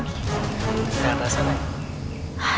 tidak ada sana